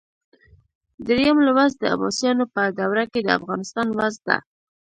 دریم لوست د عباسیانو په دوره کې د افغانستان وضع ده.